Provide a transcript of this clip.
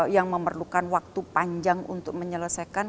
yang memerlukan waktu panjang untuk menyelesaikan